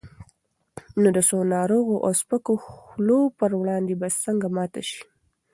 نو د څو ناروغو او سپکو خولو پر وړاندې به څنګه ماته شي؟